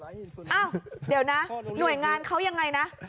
อ้าวเดี๋ยวนะหน่วยงานเขายังไงนะ